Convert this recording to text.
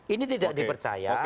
ini tidak dipercaya